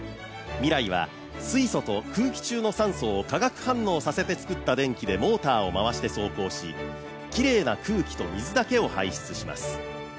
ＭＩＲＡＩは水素と空気中の酸素を化学反応させて作った電気でモーターを回して走行し、きれいな空気と水だけを排出します。